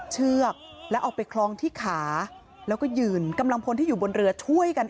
โอ้โฮโอ้โฮโอ้โฮโอ้โฮโอ้โฮโอ้โฮโอ้โฮโอ้โฮ